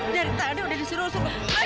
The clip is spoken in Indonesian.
dari tadi udah disuruh